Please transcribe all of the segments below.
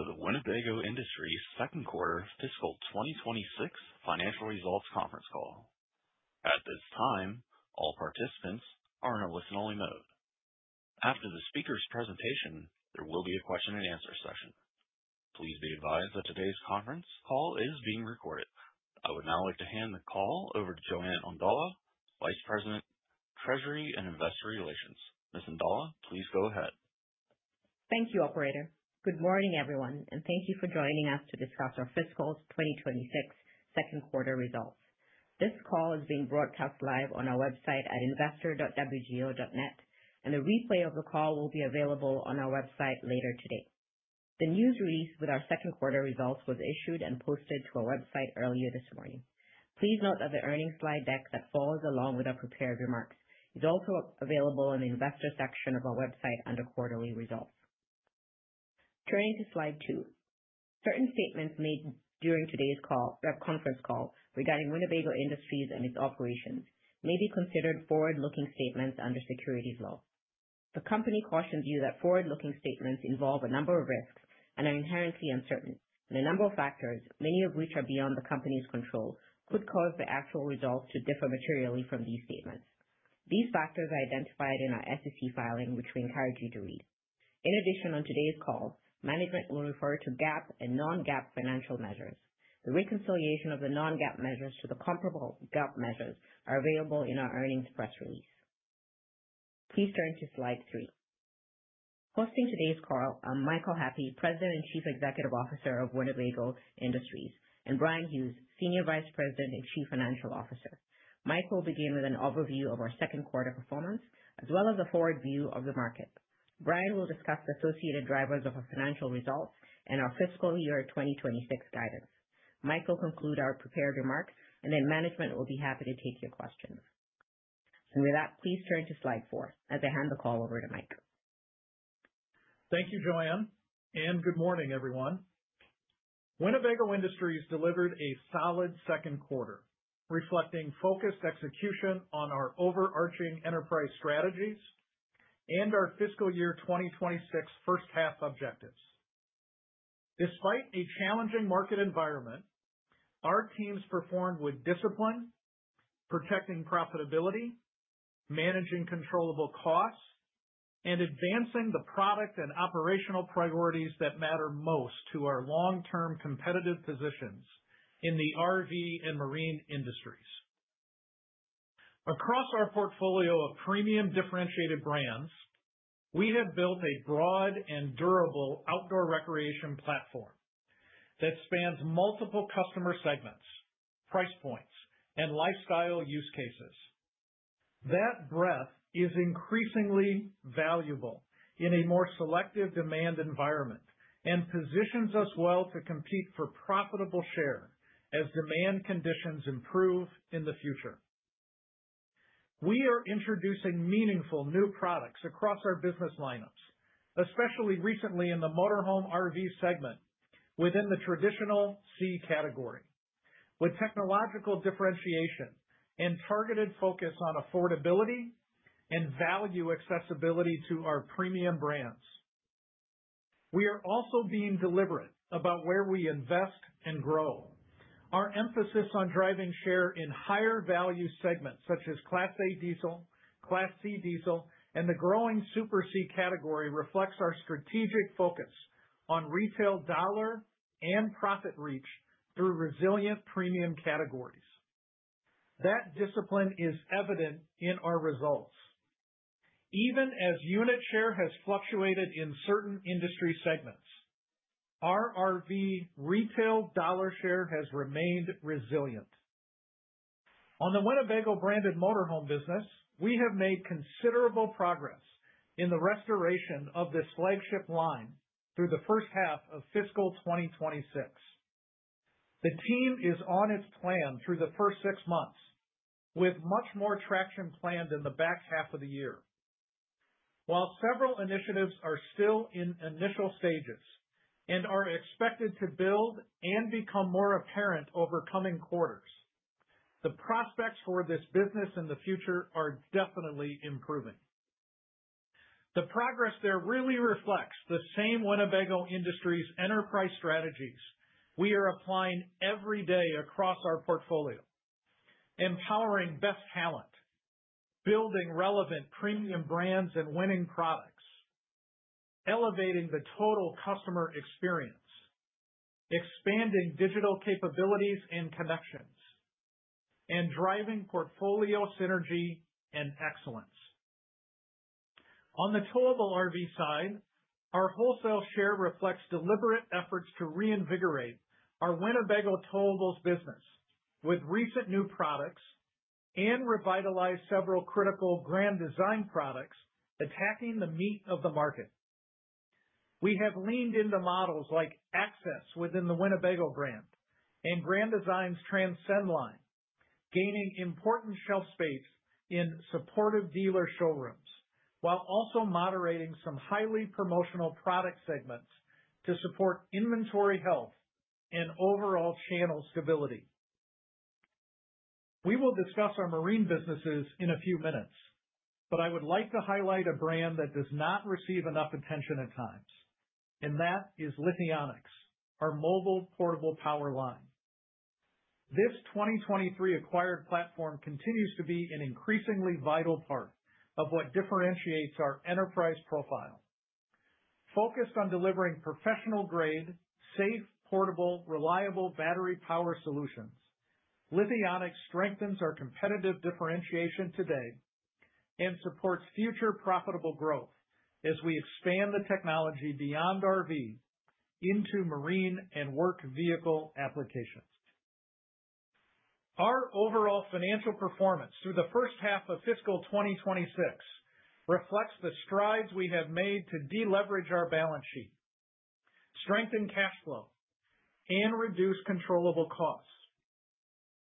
Welcome to the Winnebago Industries second quarter fiscal 2026 financial results conference call. At this time, all participants are in a listen-only mode. After the speaker's presentation, there will be a question and answer session. Please be advised that today's conference call is being recorded. I would now like to hand the call over to Joan Ondala, Vice President, Treasury, and Investor Relations. Ms. Ondala, please go ahead. Thank you, operator. Good morning, everyone, and thank you for joining us to discuss our fiscal 2026 second quarter results. This call is being broadcast live on our website at investor.wgo.net, and a replay of the call will be available on our website later today. The news release with our second quarter results was issued and posted to our website earlier this morning. Please note that the earnings slide deck that follows along with our prepared remarks is also available in the investor section of our website under quarterly results. Turning to slide 2. Certain statements made during today's call, conference call regarding Winnebago Industries and its operations may be considered forward-looking statements under securities laws. The company cautions you that forward-looking statements involve a number of risks and are inherently uncertain, and a number of factors, many of which are beyond the company's control, could cause the actual results to differ materially from these statements. These factors are identified in our SEC filing, which we encourage you to read. In addition, on today's call, management will refer to GAAP and non-GAAP financial measures. The reconciliation of the non-GAAP measures to the comparable GAAP measures are available in our earnings press release. Please turn to slide three. Hosting today's call are Michael Happe, President and Chief Executive Officer of Winnebago Industries, and Bryan Hughes, Senior Vice President and Chief Financial Officer. Michael will begin with an overview of our second quarter performance, as well as a forward view of the market. Bryan will discuss the associated drivers of our financial results and our fiscal year 2026 guidance. Michael will conclude our prepared remarks, and then management will be happy to take your questions. With that, please turn to slide four as I hand the call over to Michael. Thank you, Jo-Ann, and good morning, everyone. Winnebago Industries delivered a solid second quarter, reflecting focused execution on our overarching enterprise strategies and our fiscal year 2026 first half objectives. Despite a challenging market environment, our teams performed with discipline, protecting profitability, managing controllable costs, and advancing the product and operational priorities that matter most to our long-term competitive positions in the RV and marine industries. Across our portfolio of premium differentiated brands, we have built a broad and durable outdoor recreation platform that spans multiple customer segments, price points, and lifestyle use cases. That breadth is increasingly valuable in a more selective demand environment and positions us well to compete for profitable share as demand conditions improve in the future. We are introducing meaningful new products across our business lineups, especially recently in the motorhome RV segment within the traditional C category, with technological differentiation and targeted focus on affordability and value accessibility to our premium brands. We are also being deliberate about where we invest and grow. Our emphasis on driving share in higher value segments such as Class A diesel, Class C diesel, and the growing Super C category reflects our strategic focus on retail dollar and profit reach through resilient premium categories. That discipline is evident in our results. Even as unit share has fluctuated in certain industry segments, our RV retail dollar share has remained resilient. On the Winnebago-branded motorhome business, we have made considerable progress in the restoration of this flagship line through the first half of fiscal 2026. The team is on its plan through the first six months, with much more traction planned in the back half of the year. While several initiatives are still in initial stages and are expected to build and become more apparent over coming quarters, the prospects for this business in the future are definitely improving. The progress there really reflects the same Winnebago Industries enterprise strategies we are applying every day across our portfolio. Empowering best talent, building relevant premium brands and winning products, elevating the total customer experience, expanding digital capabilities and connections, and driving portfolio synergy and excellence. On the towable RV side, our wholesale share reflects deliberate efforts to reinvigorate our Winnebago towables business with recent new products and revitalize several critical Grand Design products attacking the meat of the market. We have leaned into models like Access within the Winnebago brand and Grand Design's Transcend line, gaining important shelf space in supportive dealer showrooms, while also moderating some highly promotional product segments to support inventory health and overall channel stability. We will discuss our marine businesses in a few minutes, but I would like to highlight a brand that does not receive enough attention at times, and that is Lithionics, our mobile portable power line. This 2023 acquired platform continues to be an increasingly vital part of what differentiates our enterprise profile. Focused on delivering professional grade, safe, portable, reliable battery power solutions, Lithionics strengthens our competitive differentiation today and supports future profitable growth as we expand the technology beyond RV into marine and work vehicle applications. Our overall financial performance through the first half of fiscal 2026 reflects the strides we have made to deleverage our balance sheet, strengthen cash flow, and reduce controllable costs.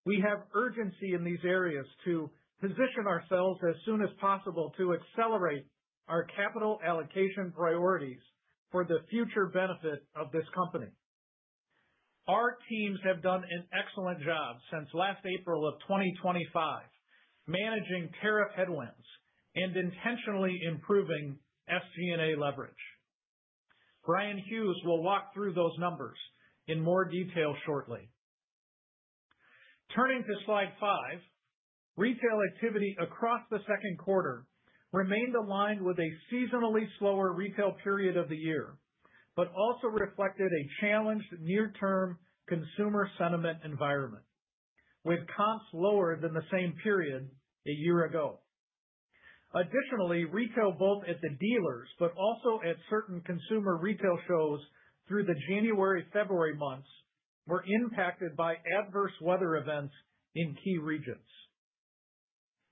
We have urgency in these areas to position ourselves as soon as possible to accelerate our capital allocation priorities for the future benefit of this company. Our teams have done an excellent job since last April 2025 managing tariff headwinds and intentionally improving FP&A leverage. Bryan Hughes will walk through those numbers in more detail shortly. Turning to slide five. Retail activity across the second quarter remained aligned with a seasonally slower retail period of the year, but also reflected a challenged near term consumer sentiment environment, with comps lower than the same period a year ago. Additionally, retail both at the dealers but also at certain consumer retail shows through the January, February months were impacted by adverse weather events in key regions.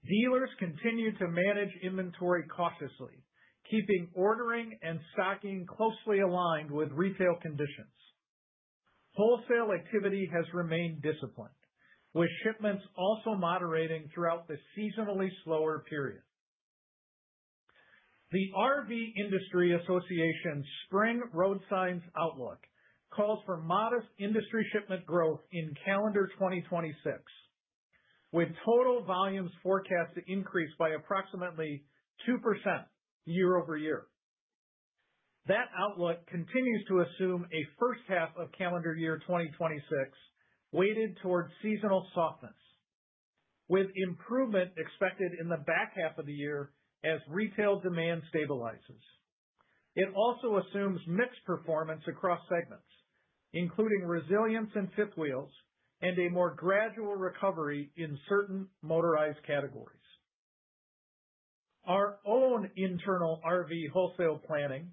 Dealers continue to manage inventory cautiously, keeping ordering and stocking closely aligned with retail conditions. Wholesale activity has remained disciplined, with shipments also moderating throughout the seasonally slower period. The RV Industry Association Spring RoadSigns Outlook calls for modest industry shipment growth in calendar 2026, with total volumes forecast to increase by approximately 2% year-over-year. That outlook continues to assume a first half of calendar year 2026 weighted towards seasonal softness, with improvement expected in the back half of the year as retail demand stabilizes. It also assumes mixed performance across segments, including resilience in fifth wheels and a more gradual recovery in certain motorized categories. Our own internal RV wholesale planning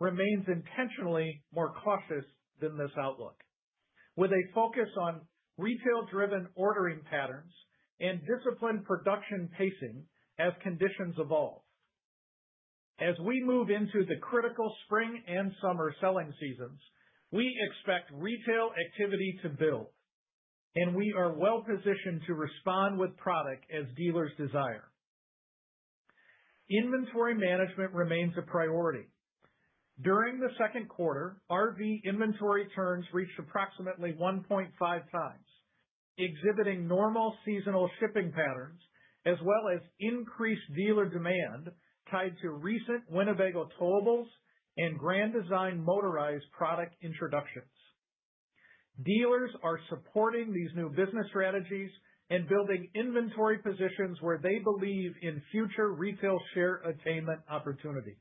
remains intentionally more cautious than this outlook, with a focus on retail-driven ordering patterns and disciplined production pacing as conditions evolve. As we move into the critical spring and summer selling seasons, we expect retail activity to build, and we are well-positioned to respond with product as dealers desire. Inventory management remains a priority. During the second quarter, RV inventory turns reached approximately 1.5 times, exhibiting normal seasonal shipping patterns as well as increased dealer demand tied to recent Winnebago Towables and Grand Design motorized product introductions. Dealers are supporting these new business strategies and building inventory positions where they believe in future retail share attainment opportunities.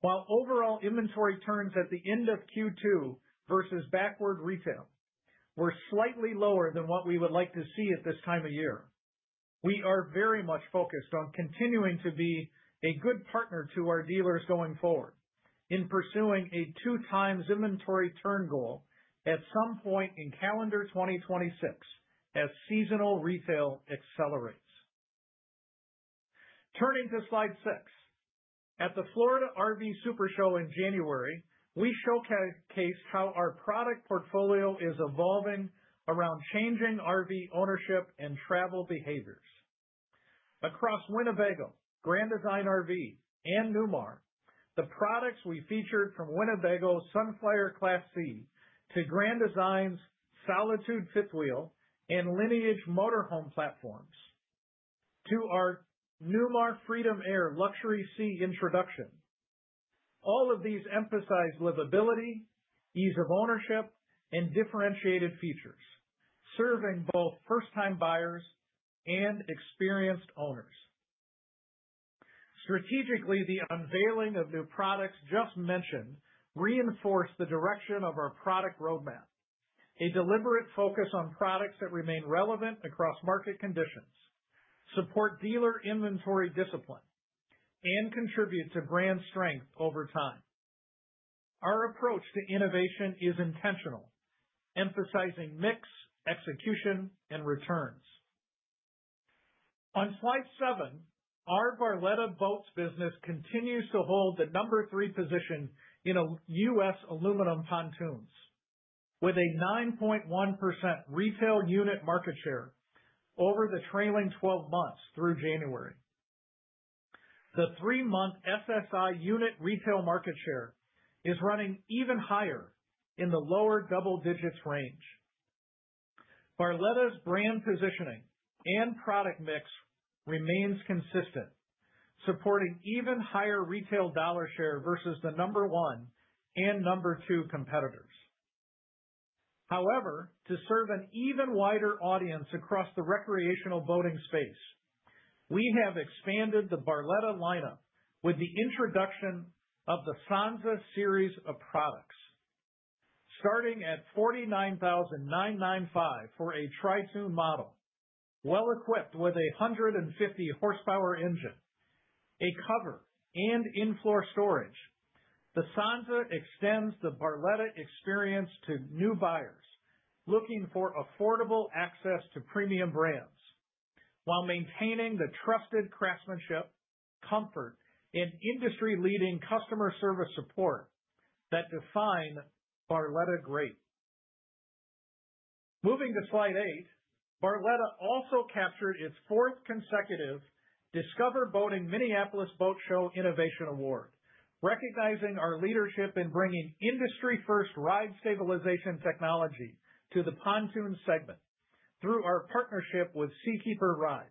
While overall inventory turns at the end of Q2 versus backward retail were slightly lower than what we would like to see at this time of year, we are very much focused on continuing to be a good partner to our dealers going forward in pursuing a two times inventory turn goal at some point in calendar 2026 as seasonal retail accelerates. Turning to slide 6. At the Florida RV SuperShow in January, we showcased how our product portfolio is evolving around changing RV ownership and travel behaviors across Winnebago, Grand Design RV, and Newmar, the products we featured from Winnebago Sunflyer Class C to Grand Design's Solitude fifth wheel and Lineage motorhome platforms to our Newmar Freedom Aire luxury Class C introduction, all of these emphasize livability, ease of ownership, and differentiated features, serving both first-time buyers and experienced owners. Strategically, the unveiling of new products just mentioned reinforce the direction of our product roadmap, a deliberate focus on products that remain relevant across market conditions, support dealer inventory discipline, and contribute to brand strength over time. Our approach to innovation is intentional, emphasizing mix, execution, and returns. On slide seven. Our Barletta Boats business continues to hold the number 3 position in U.S. aluminum pontoons with a 9.1% retail unit market share over the trailing 12 months through January. The 3-month FSI unit retail market share is running even higher in the lower double digits range. Barletta's brand positioning and product mix remains consistent, supporting even higher retail dollar share versus the number 1 and number 2 competitors. However, to serve an even wider audience across the recreational boating space, we have expanded the Barletta lineup with the introduction of the Sanza series of products. Starting at $49,995 for a tri-two model, well-equipped with a 150-horsepower engine, a cover, and in-floor storage. The Sanza extends the Barletta experience to new buyers looking for affordable access to premium brands while maintaining the trusted craftsmanship, comfort, and industry-leading customer service support that define Barletta great. Moving to slide 8. Barletta also captured its fourth consecutive Discover Boating Minneapolis Boat Show Innovation Award, recognizing our leadership in bringing industry-first ride stabilization technology to the pontoon segment through our partnership with Seakeeper Ride.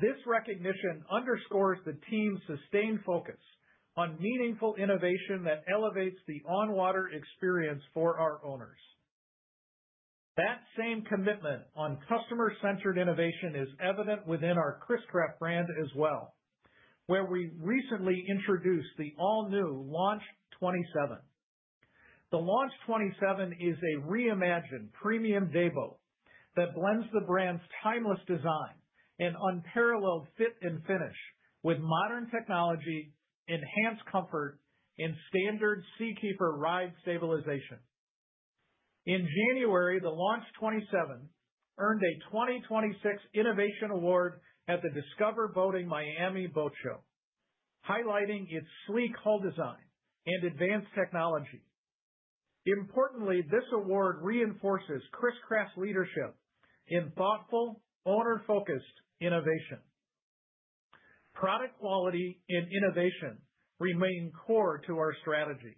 This recognition underscores the team's sustained focus on meaningful innovation that elevates the on-water experience for our owners. That same commitment on customer-centered innovation is evident within our Chris-Craft brand as well, where we recently introduced the all-new Launch 27. The Launch 27 is a reimagined premium dayboat that blends the brand's timeless design and unparalleled fit and finish with modern technology, enhanced comfort, and standard Seakeeper Ride stabilization. In January, the Launch 27 earned a 2026 Innovation Award at the Discover Boating Miami Boat Show, highlighting its sleek hull design and advanced technology. Importantly, this award reinforces Chris-Craft's leadership in thoughtful, owner-focused innovation. Product quality and innovation remain core to our strategy,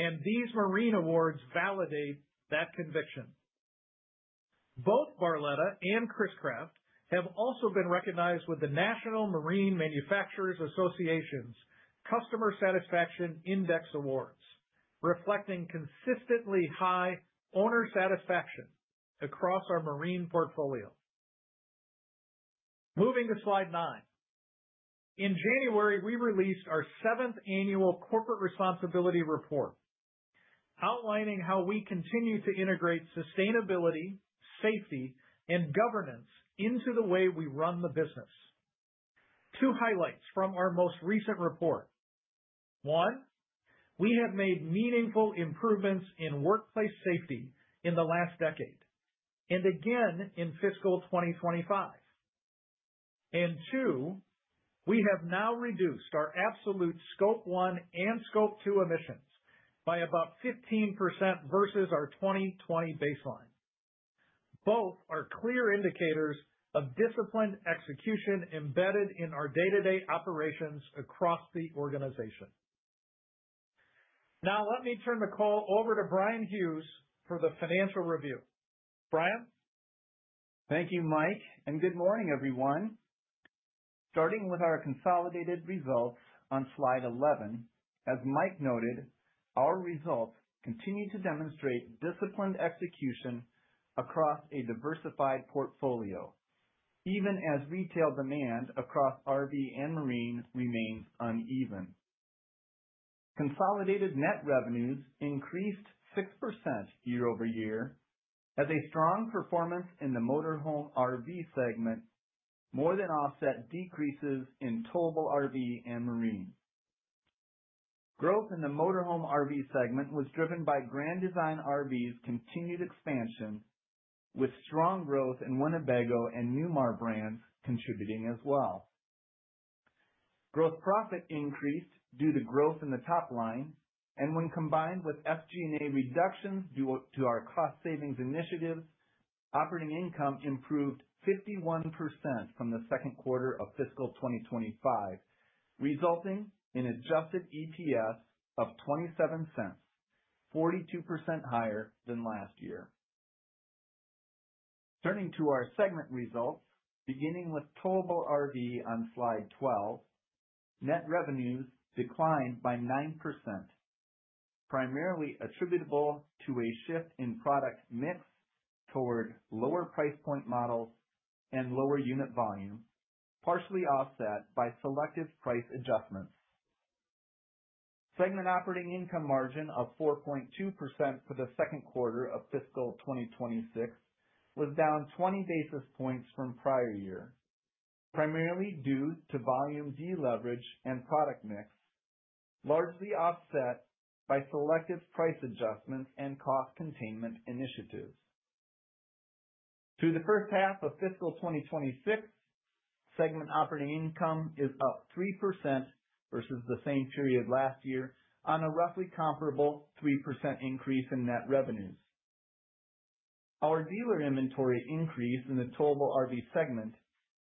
and these marine awards validate that conviction. Both Barletta and Chris-Craft have also been recognized with the National Marine Manufacturers Association's Marine Industry Customer Satisfaction Index (CSI) Awards, reflecting consistently high owner satisfaction across our marine portfolio. Moving to slide 9. In January, we released our seventh annual corporate responsibility report, outlining how we continue to integrate sustainability, safety, and governance into the way we run the business. Two highlights from our most recent report. One, we have made meaningful improvements in workplace safety in the last decade and again in fiscal 2025. Two, we have now reduced our absolute Scope 1 and Scope 2 emissions by about 15% versus our 2020 baseline. Both are clear indicators of disciplined execution embedded in our day-to-day operations across the organization. Now, let me turn the call over to Bryan Hughes for the financial review. Bryan? Thank you, Mike, and good morning, everyone. Starting with our consolidated results on slide 11. As Mike noted, our results continue to demonstrate disciplined execution across a diversified portfolio, even as retail demand across RV and marine remains uneven. Consolidated net revenues increased 6% year over year as a strong performance in the motorhome RV segment more than offset decreases in towable RV and marine. Growth in the motorhome RV segment was driven by Grand Design RV's continued expansion, with strong growth in Winnebago and Newmar brands contributing as well. Gross profit increased due to growth in the top line and when combined with SG&A reductions due to our cost savings initiatives, operating income improved 51% from the second quarter of fiscal 2025, resulting in adjusted EPS of $0.27, 42% higher than last year. Turning to our segment results, beginning with Towable RV on slide 12. Net revenues declined by 9%, primarily attributable to a shift in product mix toward lower price point models and lower unit volume, partially offset by selective price adjustments. Segment operating income margin of 4.2% for the second quarter of fiscal 2026 was down 20 basis points from prior year, primarily due to volume deleverage and product mix, largely offset by selective price adjustments and cost containment initiatives. Through the first half of fiscal 2026, segment operating income is up 3% versus the same period last year on a roughly comparable 3% increase in net revenues. Our dealer inventory increase in the Towable RV segment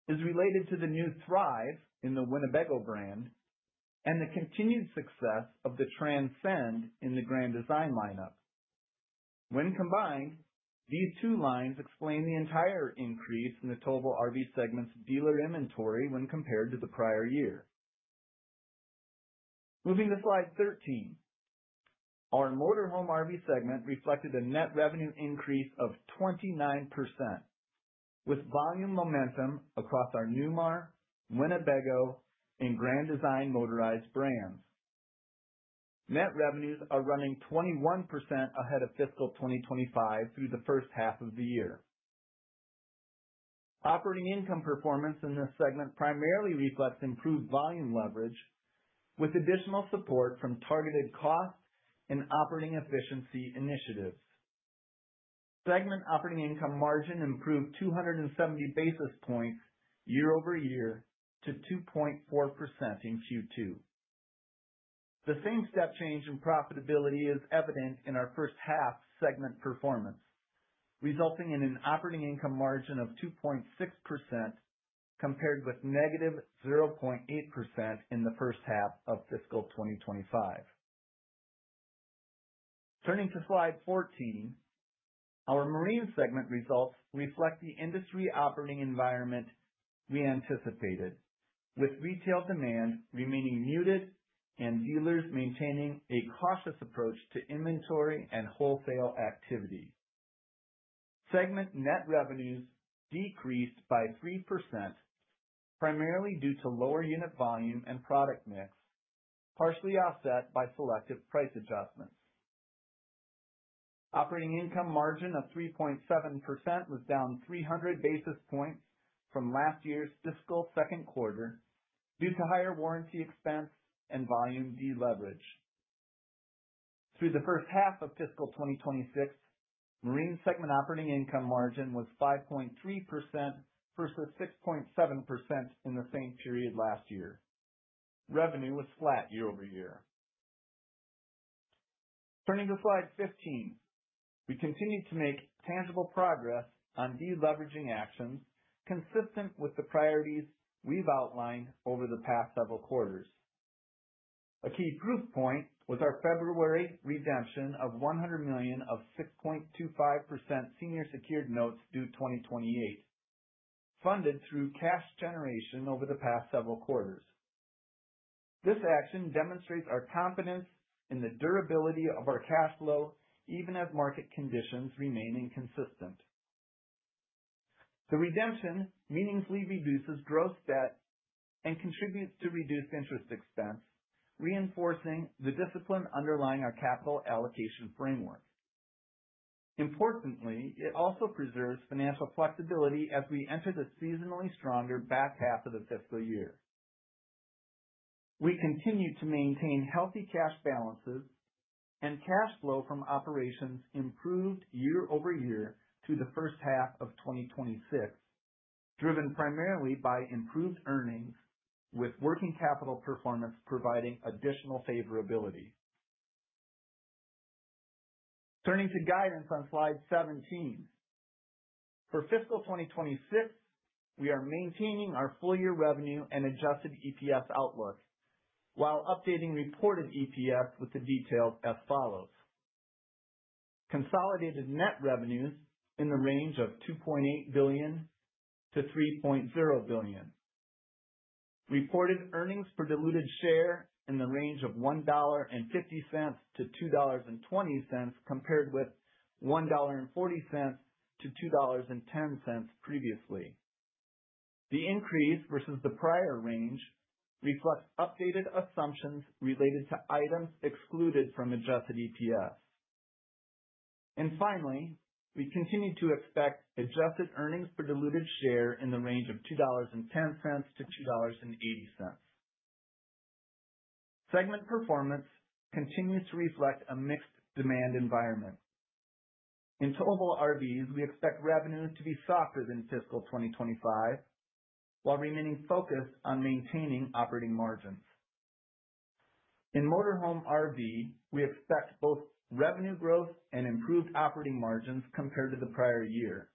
is related to the new Thrive in the Winnebago brand and the continued success of the Transcend in the Grand Design lineup. When combined, these two lines explain the entire increase in the Towable RV segment's dealer inventory when compared to the prior year. Moving to slide 13. Our Motorhome RV segment reflected a net revenue increase of 29%, with volume momentum across our Newmar, Winnebago, and Grand Design motorized brands. Net revenues are running 21% ahead of fiscal 2025 through the first half of the year. Operating income performance in this segment primarily reflects improved volume leverage, with additional support from targeted costs and operating efficiency initiatives. Segment operating income margin improved 270 basis points year-over-year to 2.4% in Q2. The same step change in profitability is evident in our first half segment performance, resulting in an operating income margin of 2.6% compared with negative 0.8% in the first half of fiscal 2025. Turning to slide 14. Our Marine segment results reflect the industry operating environment we anticipated, with retail demand remaining muted and dealers maintaining a cautious approach to inventory and wholesale activity. Segment net revenues decreased by 3%, primarily due to lower unit volume and product mix, partially offset by selective price adjustments. Operating income margin of 3.7% was down 300 basis points from last year's fiscal second quarter due to higher warranty expense and volume deleverage. Through the first half of fiscal 2026, Marine segment operating income margin was 5.3% versus 6.7% in the same period last year. Revenue was flat year-over-year. Turning to slide 15. We continue to make tangible progress on deleveraging actions consistent with the priorities we've outlined over the past several quarters. A key proof point was our February redemption of $100 million of 6.25% senior secured notes due 2028, funded through cash generation over the past several quarters. This action demonstrates our confidence in the durability of our cash flow, even as market conditions remain inconsistent. The redemption meaningfully reduces gross debt and contributes to reduced interest expense, reinforcing the discipline underlying our capital allocation framework. Importantly, it also preserves financial flexibility as we enter the seasonally stronger back half of the fiscal year. We continue to maintain healthy cash balances and cash flow from operations improved year-over-year to the first half of 2026, driven primarily by improved earnings, with working capital performance providing additional favorability. Turning to guidance on slide 17. For fiscal 2026, we are maintaining our full year revenue and adjusted EPS outlook while updating reported EPS with the details as follows. Consolidated net revenues in the range of $2.8 billion-$3.0 billion. Reported earnings per diluted share in the range of $1.50-$2.20, compared with $1.40-$2.10 previously. The increase versus the prior range reflects updated assumptions related to items excluded from adjusted EPS. Finally, we continue to expect adjusted earnings per diluted share in the range of $2.10-$2.80. Segment performance continues to reflect a mixed demand environment. In Towable RVs, we expect revenues to be softer than fiscal 2025 while remaining focused on maintaining operating margins. In Motorhome RV, we expect both revenue growth and improved operating margins compared to the prior year.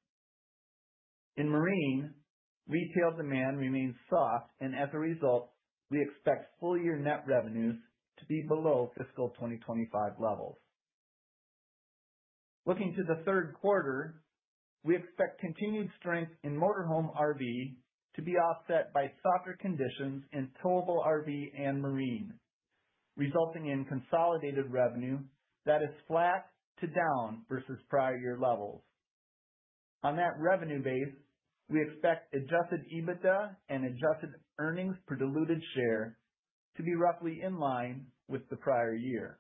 In Marine, retail demand remains soft, and as a result, we expect full year net revenues to be below fiscal 2025 levels. Looking to the third quarter, we expect continued strength in Motorhome RV to be offset by softer conditions in Towable RV and Marine, resulting in consolidated revenue that is flat to down versus prior year levels. On that revenue base, we expect adjusted EBITDA and adjusted earnings per diluted share to be roughly in line with the prior year.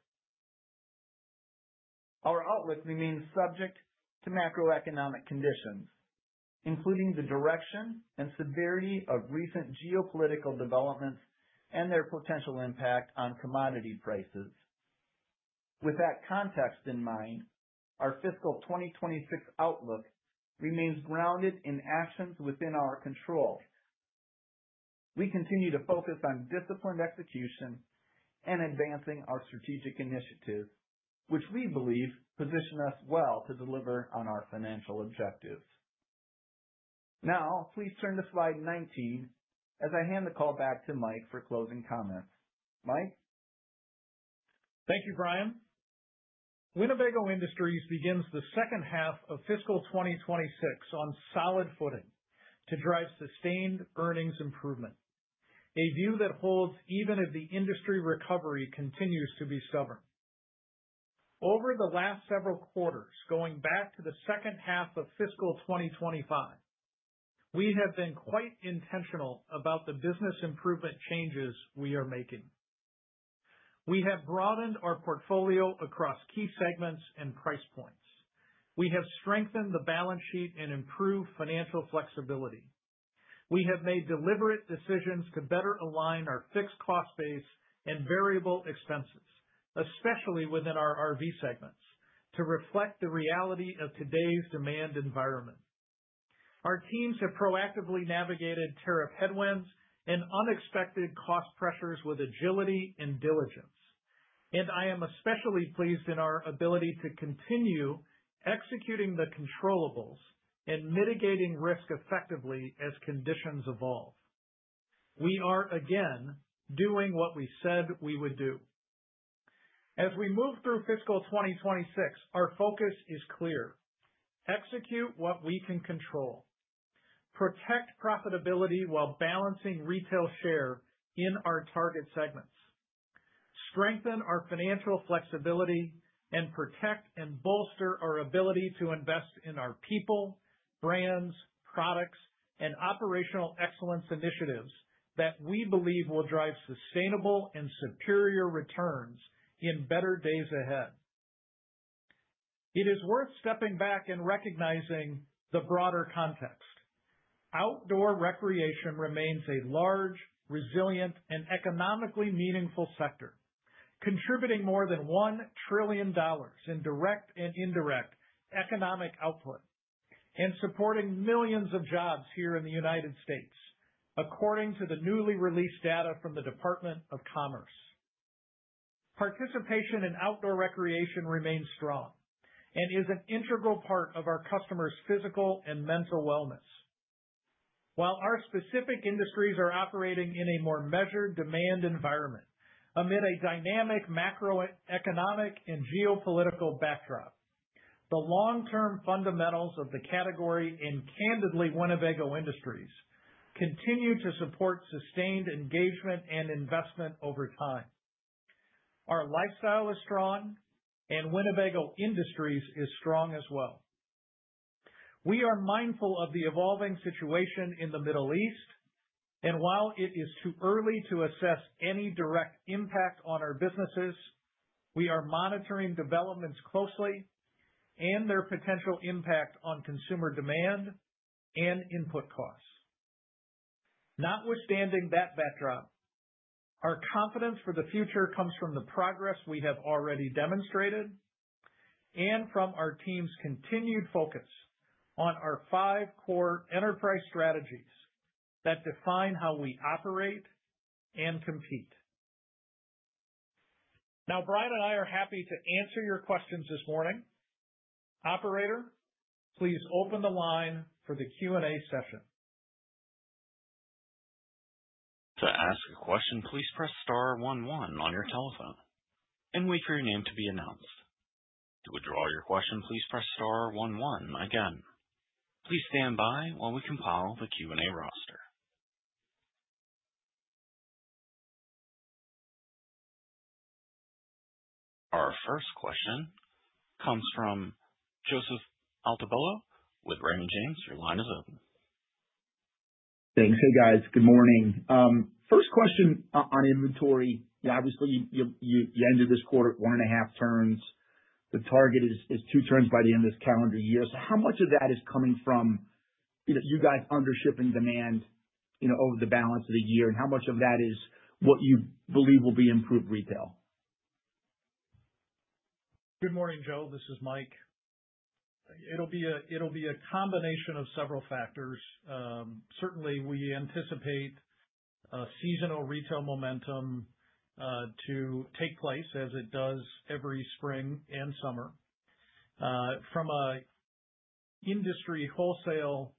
Our outlook remains subject to macroeconomic conditions, including the direction and severity of recent geopolitical developments and their potential impact on commodity prices. With that context in mind, our fiscal 2026 outlook remains grounded in actions within our control. We continue to focus on disciplined execution and advancing our strategic initiatives, which we believe position us well to deliver on our financial objectives. Now please turn to slide 19 as I hand the call back to Mike for closing comments. Mike? Thank you, Brian. Winnebago Industries begins the second half of fiscal 2026 on solid footing to drive sustained earnings improvement, a view that holds even as the industry recovery continues to be stubborn. Over the last several quarters, going back to the second half of fiscal 2025, we have been quite intentional about the business improvement changes we are making. We have broadened our portfolio across key segments and price points. We have strengthened the balance sheet and improved financial flexibility. We have made deliberate decisions to better align our fixed cost base and variable expenses, especially within our RV segments, to reflect the reality of today's demand environment. Our teams have proactively navigated tariff headwinds and unexpected cost pressures with agility and diligence, and I am especially pleased in our ability to continue executing the controllables and mitigating risk effectively as conditions evolve. We are again doing what we said we would do. As we move through fiscal 2026, our focus is clear. Execute what we can control, protect profitability while balancing retail share in our target segments, strengthen our financial flexibility, and protect and bolster our ability to invest in our people, brands, products, and operational excellence initiatives that we believe will drive sustainable and superior returns in better days ahead. It is worth stepping back and recognizing the broader context. Outdoor recreation remains a large, resilient, and economically meaningful sector, contributing more than $1 trillion in direct and indirect economic output and supporting millions of jobs here in the United States, according to the newly released data from the Department of Commerce. Participation in outdoor recreation remains strong and is an integral part of our customers' physical and mental wellness. While our specific industries are operating in a more measured demand environment amid a dynamic macroeconomic and geopolitical backdrop, the long-term fundamentals of the category, and candidly, Winnebago Industries, continue to support sustained engagement and investment over time. Our lifestyle is strong, and Winnebago Industries is strong as well. We are mindful of the evolving situation in the Middle East, and while it is too early to assess any direct impact on our businesses, we are monitoring developments closely and their potential impact on consumer demand and input costs. Notwithstanding that backdrop, our confidence for the future comes from the progress we have already demonstrated and from our team's continued focus on our five core enterprise strategies that define how we operate and compete. Now, Brian and I are happy to answer your questions this morning. Operator, please open the line for the Q&A session. To ask a question, please press star one one on your telephone and wait for your name to be announced. To withdraw your question, please press star one one again. Please stand by while we compile the Q&A roster. Our first question comes from Joseph Altobello with Raymond James. Your line is open. Thanks. Hey, guys. Good morning. First question on inventory. You know, obviously you ended this quarter at 1.5 turns. The target is 2 turns by the end of this calendar year. So how much of that is coming from, you know, you guys undershipping demand, you know, over the balance of the year? And how much of that is what you believe will be improved retail? Good morning, Joe. This is Mike. It'll be a combination of several factors. Certainly we anticipate seasonal retail momentum to take place as it does every spring and summer. From an industry wholesale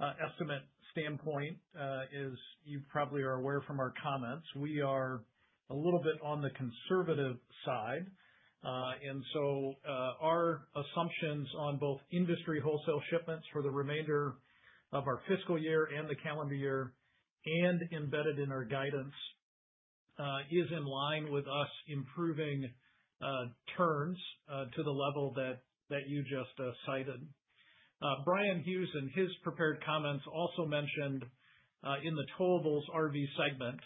estimate standpoint, as you probably are aware from our comments, we are a little bit on the conservative side. Our assumptions on both industry wholesale shipments for the remainder of our fiscal year and the calendar year and embedded in our guidance is in line with us improving turns to the level that you just cited. Bryan Hughes, in his prepared comments, also mentioned in the towable RV segment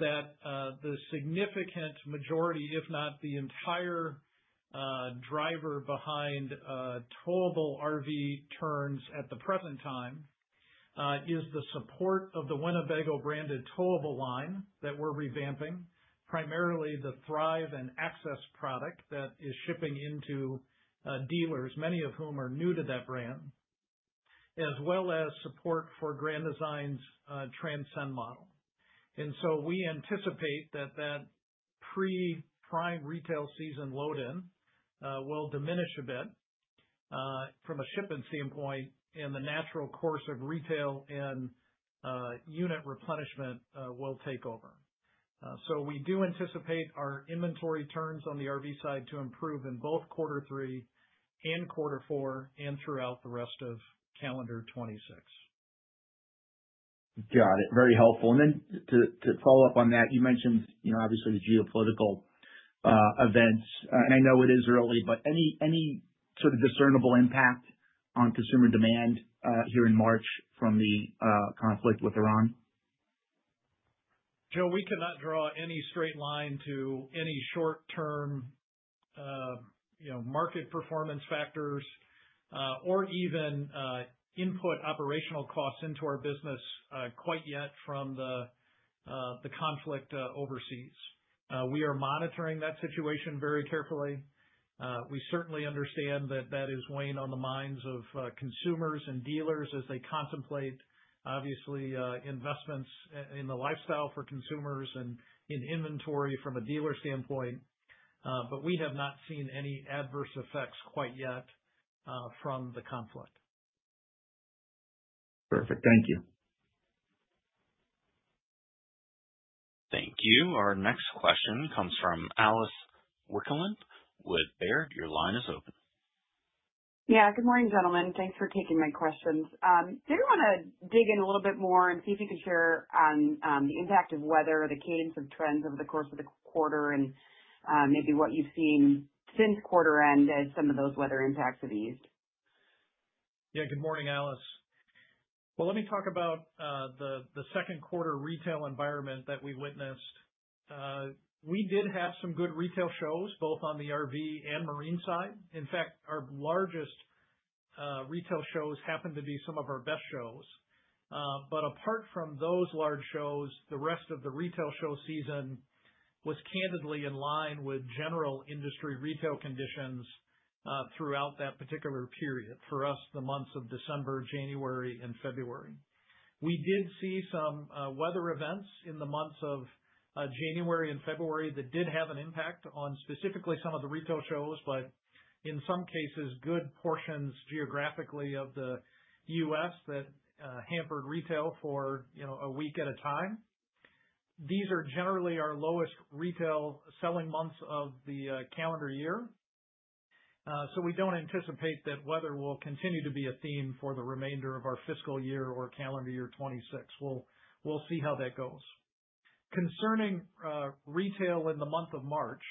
that the significant majority, if not the entire, driver behind towable RV turns at the present time is the support of the Winnebago-branded towable line that we're revamping, primarily the Thrive and Access product that is shipping into dealers, many of whom are new to that brand. As well as support for Grand Design's Transcend model. We anticipate that pre-prime retail season load in will diminish a bit from a shipment standpoint, and the natural course of retail and unit replenishment will take over. We do anticipate our inventory turns on the RV side to improve in both quarter three and quarter four and throughout the rest of calendar 2026. Got it. Very helpful. To follow up on that, you mentioned, you know, obviously the geopolitical events. I know it is early, but any sort of discernible impact on consumer demand here in March from the conflict with Iran? Joe, we cannot draw any straight line to any short-term, you know, market performance factors, or even input operational costs into our business, quite yet from the conflict overseas. We are monitoring that situation very carefully. We certainly understand that that is weighing on the minds of consumers and dealers as they contemplate, obviously, investments in the lifestyle for consumers and in inventory from a dealer standpoint. But we have not seen any adverse effects quite yet from the conflict. Perfect. Thank you. Thank you. Our next question comes from Alice Wycklendt with Baird. Your line is open. Yeah, good morning, gentlemen. Thanks for taking my questions. Did want to dig in a little bit more and see if you could share on the impact of weather or the cadence of trends over the course of the quarter and maybe what you've seen since quarter end as some of those weather impacts have eased. Yeah. Good morning, Alice. Well, let me talk about the second quarter retail environment that we witnessed. We did have some good retail shows, both on the RV and marine side. In fact, our largest retail shows happened to be some of our best shows. But apart from those large shows, the rest of the retail show season was candidly in line with general industry retail conditions throughout that particular period. For us, the months of December, January, and February. We did see some weather events in the months of January and February that did have an impact on specifically some of the retail shows, but in some cases, good portions geographically of the U.S. that hampered retail for, you know, a week at a time. These are generally our lowest retail selling months of the calendar year. We don't anticipate that weather will continue to be a theme for the remainder of our fiscal year or calendar year 2026. We'll see how that goes. Concerning retail in the month of March,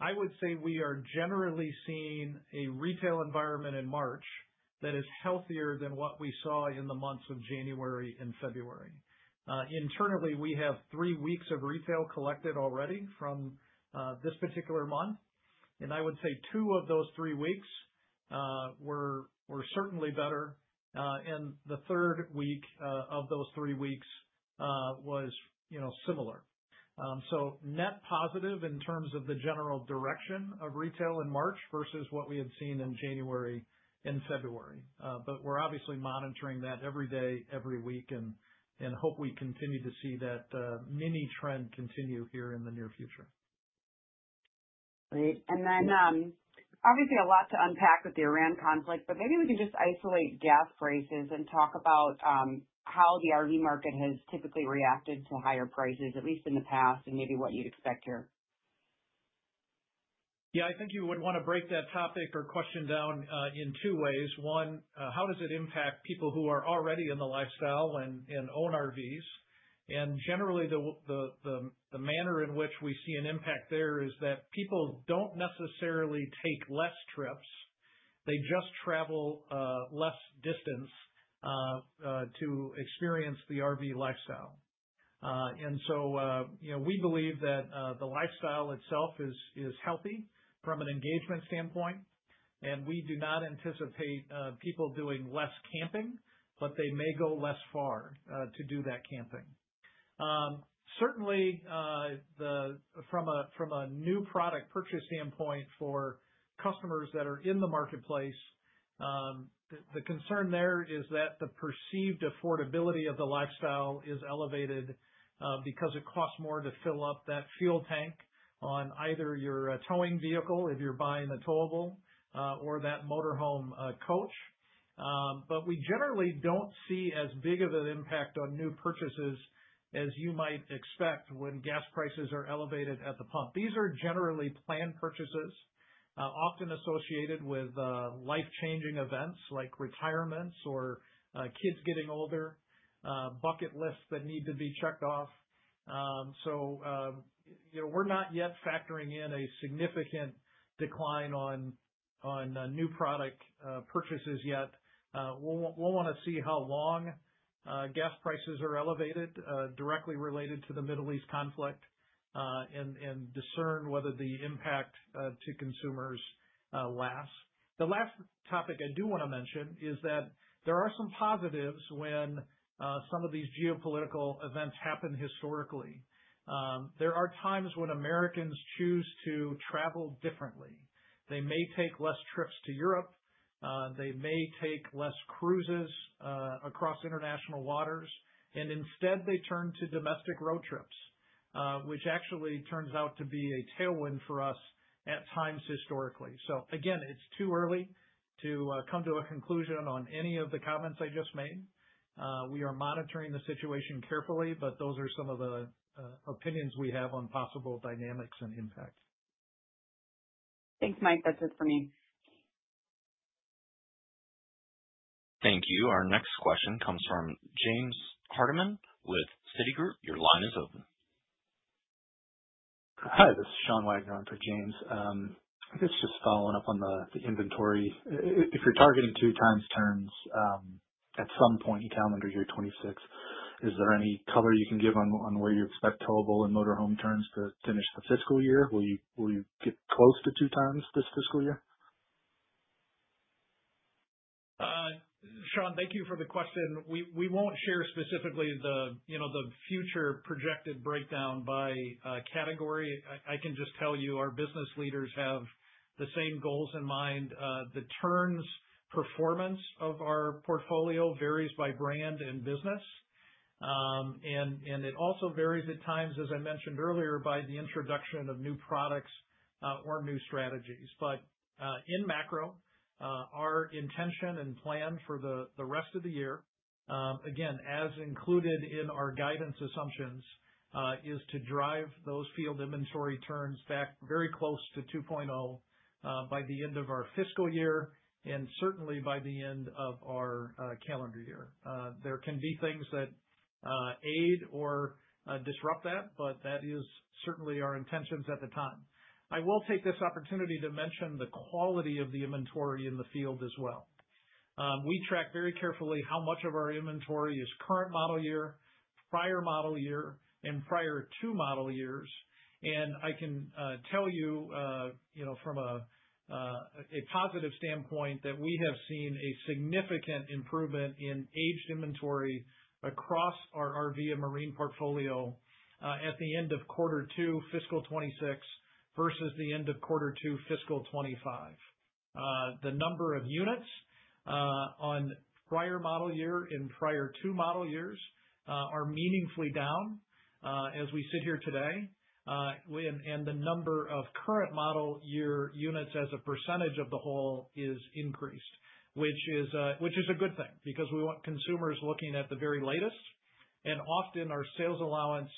I would say we are generally seeing a retail environment in March that is healthier than what we saw in the months of January and February. Internally, we have three weeks of retail collected already from this particular month, and I would say two of those three weeks were certainly better. The third week of those three weeks was, you know, similar. Net positive in terms of the general direction of retail in March versus what we had seen in January and February. We're obviously monitoring that every day, every week, and hope we continue to see that mini trend continue here in the near future. Great. Obviously a lot to unpack with the Iran conflict, but maybe we can just isolate gas prices and talk about how the RV market has typically reacted to higher prices, at least in the past, and maybe what you'd expect here. Yeah, I think you would wanna break that topic or question down in two ways. One, how does it impact people who are already in the lifestyle and own RVs? Generally, the manner in which we see an impact there is that people don't necessarily take less trips. They just travel less distance to experience the RV lifestyle. You know, we believe that the lifestyle itself is healthy from an engagement standpoint, and we do not anticipate people doing less camping, but they may go less far to do that camping. Certainly, from a new product purchase standpoint for customers that are in the marketplace, the concern there is that the perceived affordability of the lifestyle is elevated because it costs more to fill up that fuel tank on either your towing vehicle if you're buying a towable or that motor home coach. We generally don't see as big of an impact on new purchases as you might expect when gas prices are elevated at the pump. These are generally planned purchases, often associated with life-changing events like retirements or kids getting older, bucket lists that need to be checked off. You know, we're not yet factoring in a significant decline on new product purchases yet. We'll wanna see how long gas prices are elevated directly related to the Middle East conflict and discern whether the impact to consumers lasts. The last topic I do wanna mention is that there are some positives when some of these geopolitical events happen historically. There are times when Americans choose to travel differently. They may take less trips to Europe, they may take less cruises across international waters, and instead they turn to domestic road trips, which actually turns out to be a tailwind for us at times historically. Again, it's too early to come to a conclusion on any of the comments I just made. We are monitoring the situation carefully, but those are some of the opinions we have on possible dynamics and impacts. Thanks, Mike. That's it for me. Thank you. Our next question comes from James Hardiman with Citigroup. Your line is open. Hi, this is Sean Wagner on for James. I guess just following up on the inventory. If you're targeting 2x turns at some point in calendar year 2026, is there any color you can give on where you expect towable and motor home turns to finish the fiscal year? Will you get close to 2x this fiscal year? Sean, thank you for the question. We won't share specifically the, you know, the future projected breakdown by category. I can just tell you our business leaders have the same goals in mind. The turns performance of our portfolio varies by brand and business. And it also varies at times, as I mentioned earlier, by the introduction of new products, or new strategies. In macro, our intention and plan for the rest of the year, again, as included in our guidance assumptions, is to drive those field inventory turns back very close to 2.0, by the end of our fiscal year and certainly by the end of our calendar year. There can be things that aid or disrupt that, but that is certainly our intentions at the time. I will take this opportunity to mention the quality of the inventory in the field as well. We track very carefully how much of our inventory is current model year, prior model year, and prior two model years. I can tell you know, from a positive standpoint that we have seen a significant improvement in aged inventory across our RV and marine portfolio, at the end of quarter two, fiscal 2026 versus the end of quarter two, fiscal 2025. The number of units on prior model year and prior two model years are meaningfully down, as we sit here today. The number of current model year units as a percentage of the whole is increased, which is a good thing because we want consumers looking at the very latest. Often our sales allowance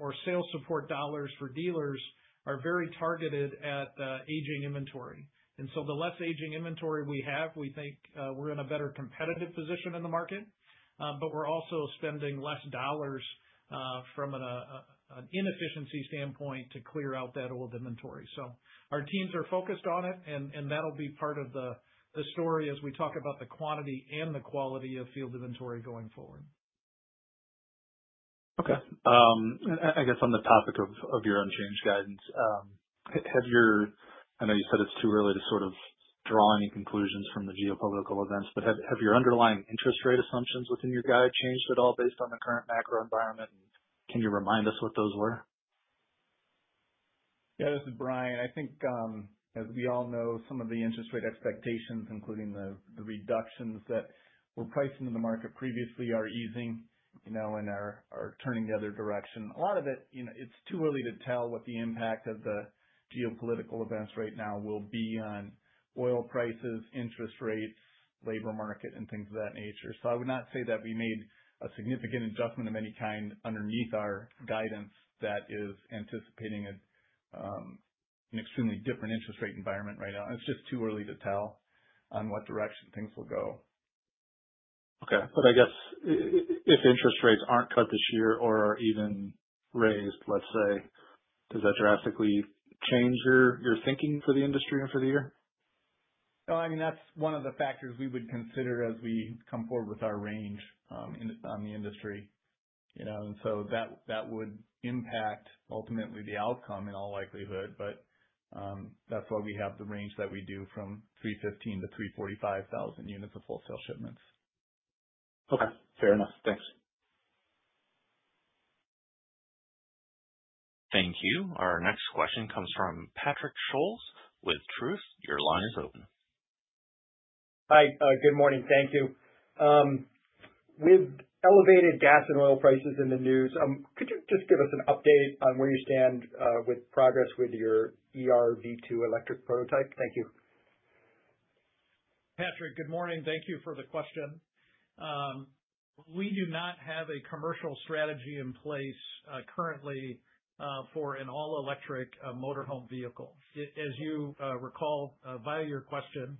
or sales support dollars for dealers are very targeted at aging inventory. The less aging inventory we have, we think we're in a better competitive position in the market, but we're also spending less dollars from an inefficiency standpoint to clear out that old inventory. Our teams are focused on it and that'll be part of the story as we talk about the quantity and the quality of field inventory going forward. Okay. I guess on the topic of your unchanged guidance, I know you said it's too early to sort of draw any conclusions from the geopolitical events, but have your underlying interest rate assumptions within your guide changed at all based on the current macro environment? Can you remind us what those were? Yeah, this is Brian. I think, as we all know, some of the interest rate expectations, including the reductions that were priced into the market previously, are easing, you know, and are turning the other direction. A lot of it, you know, it's too early to tell what the impact of the geopolitical events right now will be on oil prices, interest rates, labor market, and things of that nature. I would not say that we made a significant adjustment of any kind underneath our guidance that is anticipating an extremely different interest rate environment right now. It's just too early to tell on what direction things will go. Okay. I guess if interest rates aren't cut this year or are even raised, let's say, does that drastically change your thinking for the industry and for the year? No, I mean, that's one of the factors we would consider as we come forward with our range on the industry, you know. That would impact ultimately the outcome in all likelihood. That's why we have the range that we do from 315-345 thousand units of wholesale shipments. Okay, fair enough. Thanks. Thank you. Our next question comes from Charles P.Scholes with Truist. Your line is open. Hi. Good morning. Thank you. With elevated gas and oil prices in the news, could you just give us an update on where you stand with progress with your eRV2 electric prototype? Thank you. Patrick, good morning. Thank you for the question. We do not have a commercial strategy in place currently for an all-electric motor home vehicle. As you recall via your question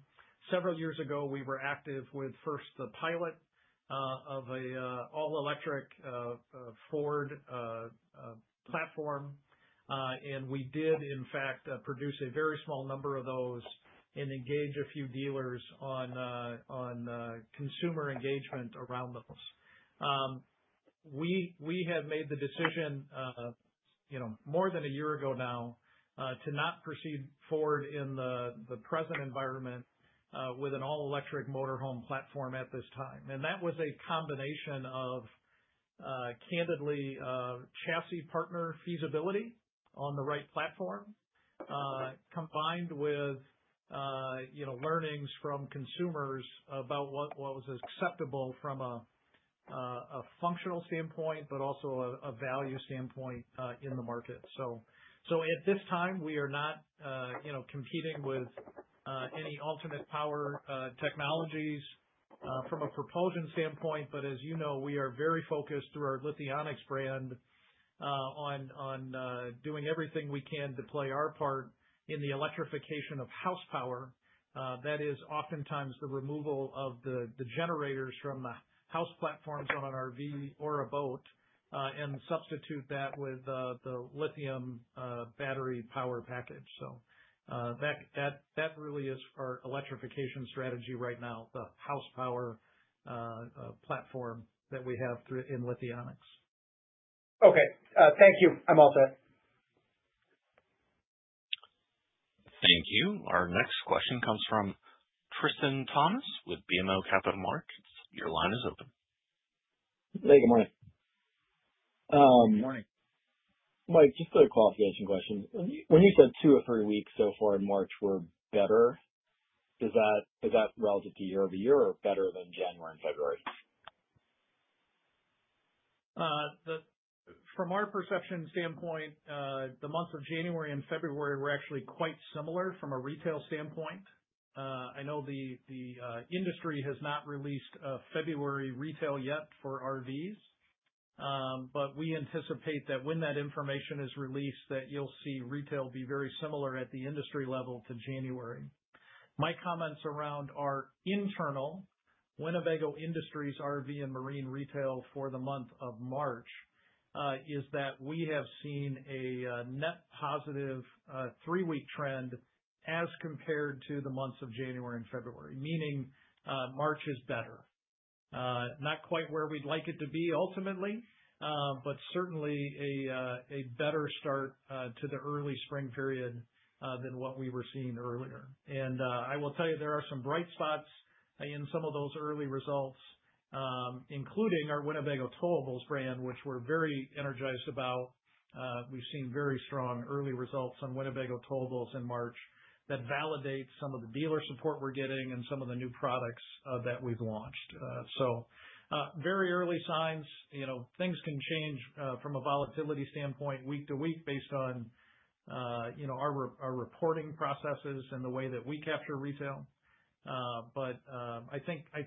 several years ago, we were active with first the pilot of an all-electric Ford platform. We did in fact produce a very small number of those and engage a few dealers on consumer engagement around those. We have made the decision, you know, more than a year ago now, to not proceed forward in the present environment with an all-electric motor home platform at this time. That was a combination of candidly, chassis partner feasibility on the right platform, combined with, you know, learnings from consumers about what was acceptable from a functional standpoint, but also a value standpoint in the market. At this time, we are not, you know, competing with any alternate power technologies from a propulsion standpoint, but as you know, we are very focused through our Lithionics brand on doing everything we can to play our part in the electrification of house power. That is oftentimes the removal of the generators from the house platforms on an RV or a boat, and substitute that with the lithium battery power package. That really is our electrification strategy right now, the house power platform that we have in Lithionics. Okay. Thank you. I'm all set. Thank you. Our next question comes from Tristan Thomas-Martin with BMO Capital Markets. Your line is open. Hey, good morning. Good morning. Mike, just a clarification question. When you said two of three weeks so far in March were better, is that relative to year-over-year or better than January and February? From our perspective standpoint, the month of January and February were actually quite similar from a retail standpoint. I know the industry has not released February retail yet for RVs. We anticipate that when that information is released, that you'll see retail be very similar at the industry level to January. My comments around our internal Winnebago Industries RV and Marine retail for the month of March is that we have seen a net positive three-week trend as compared to the months of January and February, meaning March is better. Not quite where we'd like it to be ultimately, but certainly a better start to the early spring period than what we were seeing earlier. I will tell you there are some bright spots in some of those early results, including our Winnebago towables brand, which we're very energized about. We've seen very strong early results on Winnebago towables in March that validate some of the dealer support we're getting and some of the new products that we've launched. Very early signs. You know, things can change from a volatility standpoint week to week based on you know, our reporting processes and the way that we capture retail. I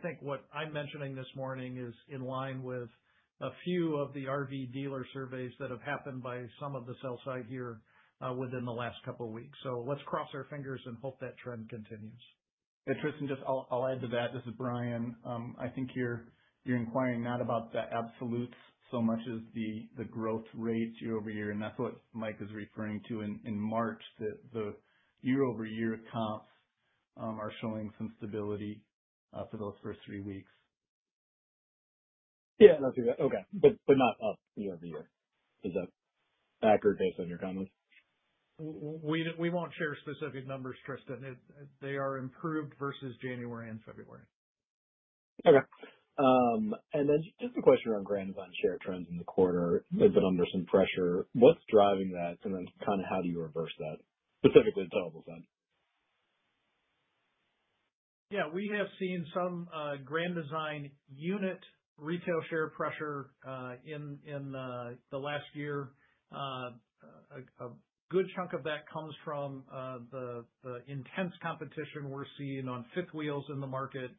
think what I'm mentioning this morning is in line with a few of the RV dealer surveys that have happened by some of the sell-side here within the last couple weeks. Let's cross our fingers and hope that trend continues. Hey, Tristan, I'll add to that. This is Brian. I think you're inquiring not about the absolutes so much as the growth rates year-over-year, and that's what Mike is referring to in March, that the year-over-year comps are showing some stability for those first three weeks. Yeah, that's right. Okay. Not up year-over-year. Is that accurate based on your comments? We don't, we won't share specific numbers, Tristan. They are improved versus January and February. Okay. Just a question around Grand Design share trends in the quarter. Mm-hmm. They've been under some pressure. Mm-hmm. What's driving that, and then kind of how do you reverse that, specifically the towables then? Yeah. We have seen some Grand Design unit retail share pressure in the last year. A good chunk of that comes from the intense competition we're seeing on fifth wheels in the market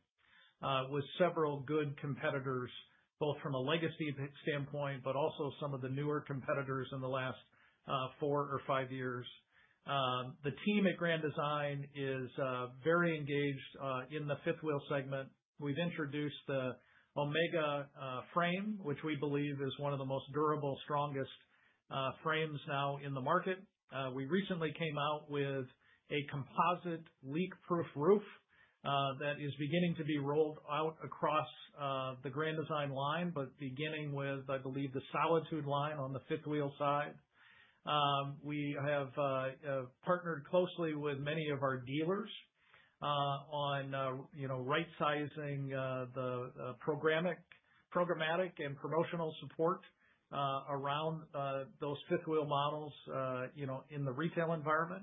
with several good competitors, both from a legacy standpoint, but also some of the newer competitors in the last four or five years. The team at Grand Design is very engaged in the fifth wheel segment. We've introduced the Omega frame, which we believe is one of the most durable, strongest frames now in the market. We recently came out with a composite leak-proof roof that is beginning to be rolled out across the Grand Design line, but beginning with, I believe, the Solitude line on the fifth wheel side. We have partnered closely with many of our dealers on you know right-sizing the programmatic and promotional support around those fifth wheel models you know in the retail environment.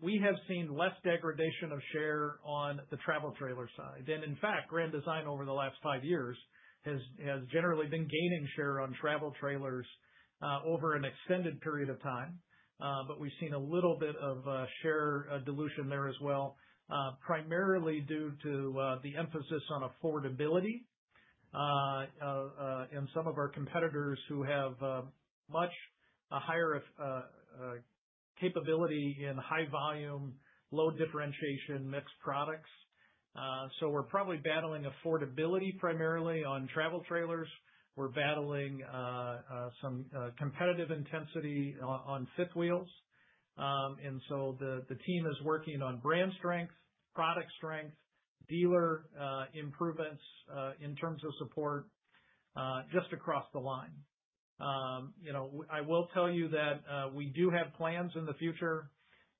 We have seen less degradation of share on the travel trailer side. In fact, Grand Design over the last five years has generally been gaining share on travel trailers over an extended period of time. But we've seen a little bit of share dilution there as well primarily due to the emphasis on affordability and some of our competitors who have much higher capability in high volume, low differentiation mixed products. So we're probably battling affordability primarily on travel trailers. We're battling some competitive intensity on fifth wheels. The team is working on brand strength, product strength, dealer improvements in terms of support just across the line. You know, I will tell you that we do have plans in the future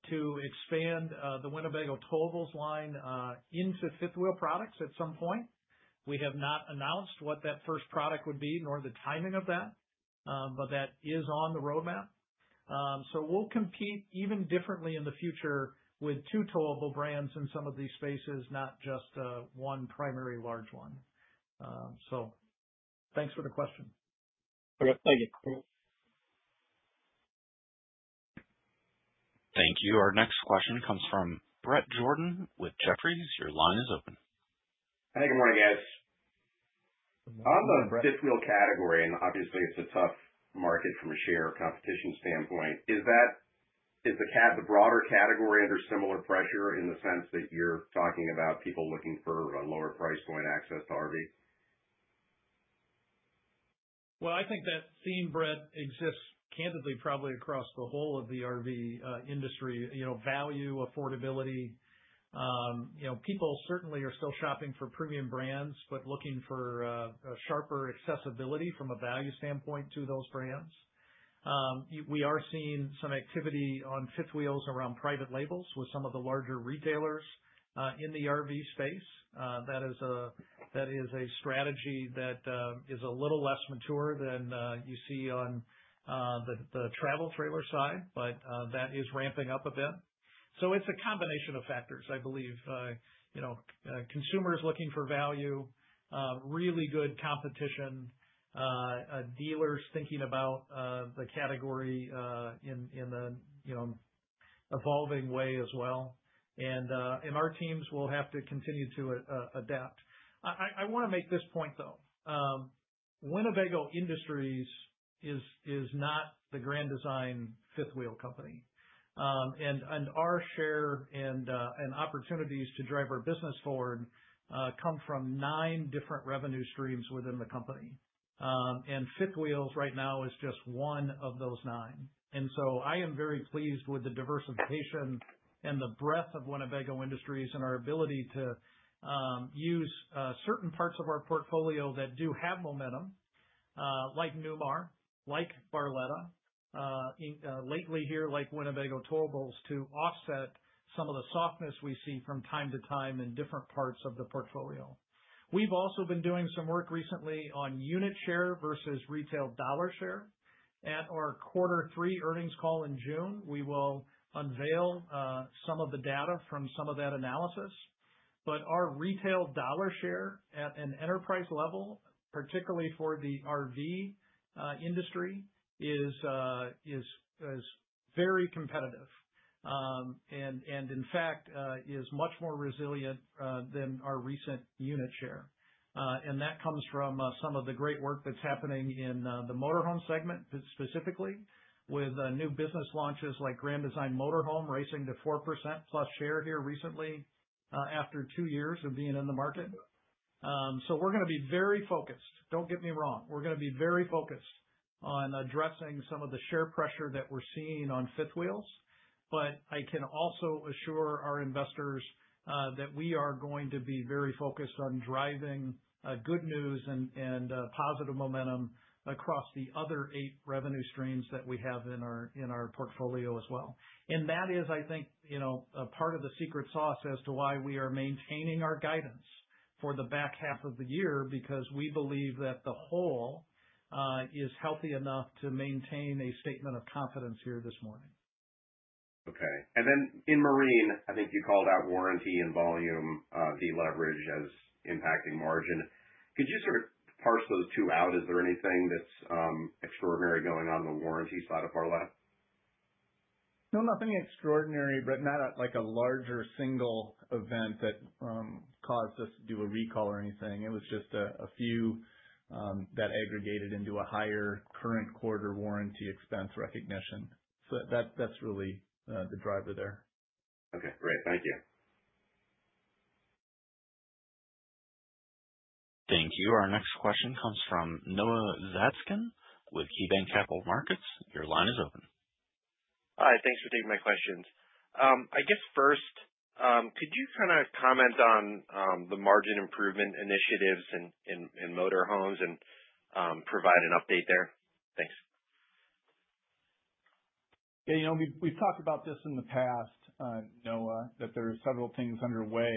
to expand the Winnebago towables line into fifth wheel products at some point. We have not announced what that first product would be, nor the timing of that, but that is on the roadmap. We'll compete even differently in the future with two towable brands in some of these spaces, not just one primary large one. Thanks for the question. Okay, thank you. Thank you. Our next question comes from Brett Jordan with Jefferies. Your line is open. Hi, good morning, guys. Good morning, Bret. On the fifth wheel category, obviously it's a tough market from a share competition standpoint, is the broader category under similar pressure in the sense that you're talking about people looking for a lower price point Access RV? Well, I think that theme, Bret, exists candidly, probably across the whole of the RV industry. You know, value, affordability. You know, people certainly are still shopping for premium brands, but looking for a sharper accessibility from a value standpoint to those brands. We are seeing some activity on fifth wheels around private labels with some of the larger retailers in the RV space. That is a strategy that is a little less mature than you see on the travel trailer side, but that is ramping up a bit. It's a combination of factors, I believe. You know, consumers looking for value, really good competition, dealers thinking about the category in a you know, evolving way as well. Our teams will have to continue to adapt. I wanna make this point, though. Winnebago Industries is not the Grand Design fifth wheel company. Our share and opportunities to drive our business forward come from 9 different revenue streams within the company. Fifth wheels right now is just one of those 9. I am very pleased with the diversification and the breadth of Winnebago Industries and our ability to use certain parts of our portfolio that do have momentum, like Newmar, like Barletta, in lately here, like Winnebago Towables, to offset some of the softness we see from time to time in different parts of the portfolio. We've also been doing some work recently on unit share versus retail dollar share. At our quarter three earnings call in June, we will unveil some of the data from some of that analysis. Our retail dollar share at an enterprise level, particularly for the RV industry, is very competitive, in fact much more resilient than our recent unit share. That comes from some of the great work that's happening in the motor home segment specifically, with new business launches like Grand Design Motorhome raising to 4% plus share here recently, after two years of being in the market. We're gonna be very focused. Don't get me wrong. We're gonna be very focused on addressing some of the share pressure that we're seeing on fifth wheels. I can also assure our investors that we are going to be very focused on driving good news and positive momentum across the other eight revenue streams that we have in our portfolio as well. That is, I think, you know, a part of the secret sauce as to why we are maintaining our guidance for the back half of the year, because we believe that the whole is healthy enough to maintain a statement of confidence here this morning. Okay. Then in marine, I think you called out warranty and volume deleverage as impacting margin. Could you sort of parse those two out? Is there anything that's extraordinary going on in the warranty side of Barletta? No, nothing extraordinary, Bret. Not, like, a larger single event that caused us to do a recall or anything. It was just a few that aggregated into a higher current quarter warranty expense recognition. That, that's really the driver there. Okay, great. Thank you. Thank you. Our next question comes from Noah Zatzkin with KeyBanc Capital Markets. Your line is open. Hi, thanks for taking my questions. I guess first, could you kind of comment on the margin improvement initiatives in motor homes and provide an update there? Thanks. Yeah, you know, we've talked about this in the past, Noah, that there are several things underway,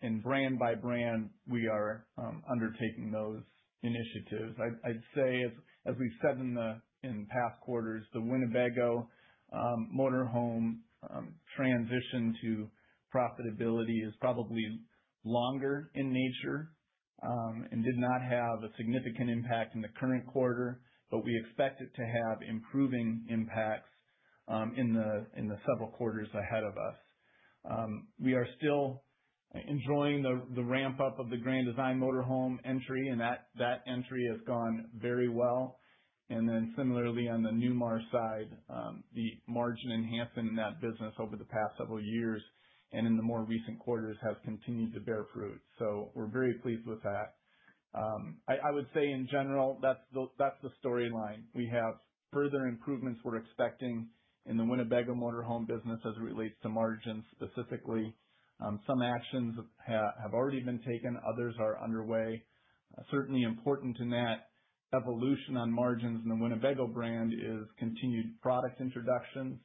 and brand by brand, we are undertaking those initiatives. I'd say as we've said in past quarters, the Winnebago motorhome transition to profitability is probably longer in nature and did not have a significant impact in the current quarter, but we expect it to have improving impacts in the several quarters ahead of us. We are still enjoying the ramp-up of the Grand Design motorhome entry, and that entry has gone very well. Similarly, on the Newmar side, the margin enhancement in that business over the past several years and in the more recent quarters has continued to bear fruit. We're very pleased with that. I would say in general, that's the storyline. We have further improvements we're expecting in the Winnebago motor home business as it relates to margins specifically. Some actions have already been taken, others are underway. Certainly important in that evolution on margins in the Winnebago brand is continued product introductions